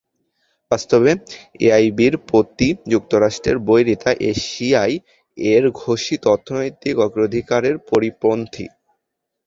বাস্তবে, এআইআইবির প্রতি যুক্তরাষ্ট্রের বৈরিতা এশিয়ায় এর ঘোষিত অর্থনৈতিক অগ্রাধিকারের পরিপন্থী।